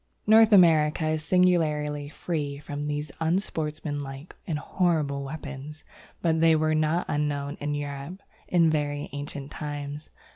North America is singularly free from these unsportsmanlike and horrible weapons, but they were not unknown in Europe in very ancient times.